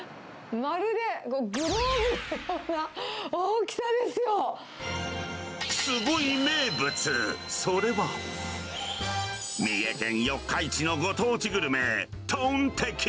まるでグローブのような大きすごい名物、それは、三重県四日市のご当地グルメ、トンテキ。